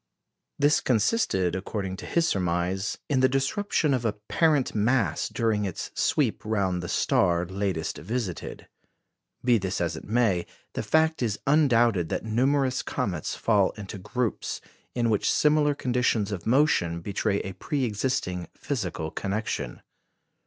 This consisted, according to his surmise, in the disruption of a parent mass during its sweep round the star latest visited. Be this as it may, the fact is undoubted that numerous comets fall into groups, in which similar conditions of motion betray a pre existent physical connection.